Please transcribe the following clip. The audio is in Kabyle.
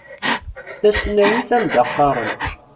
Tasnawit anda qqaren.